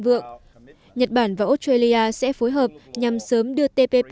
vượng nhật bản và australia sẽ phối hợp nhằm sớm đưa tên quốc phòng vào đối tác xuyên thái bình dương